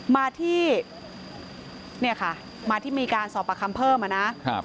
มาที่เนี่ยค่ะมาที่มีการสอบประคำเพิ่มอะนะ